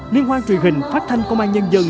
liên hoan truyền hình phát thanh công an nhân dân